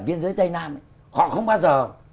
biên giới tây nam ấy họ không bao giờ